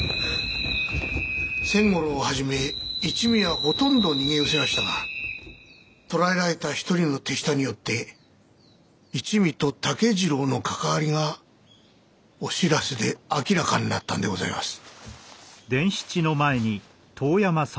仙五郎をはじめ一味はほとんど逃げうせましたが捕らえられた一人の手下によって一味と竹次郎の関わりがお白洲で明らかになったんでございます。